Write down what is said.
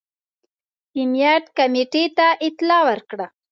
سمیت کمېټې ته اطلاع ورکړه.